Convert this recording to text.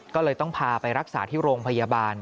ก็เลยต้องพาไปรักษาที่โรงพยาบาล